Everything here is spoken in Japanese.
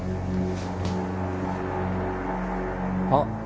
あっ。